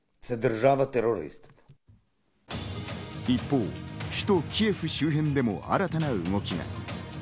一方、首都キエフ周辺でも新たな動きが。